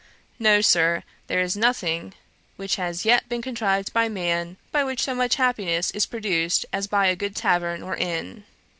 No, Sir; there is nothing which has yet been contrived by man, by which so much happiness is produced as by a good tavern or inn.'